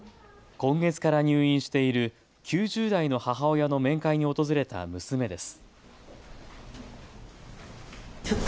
今月から入院している９０代の母親の面会に訪れた娘です。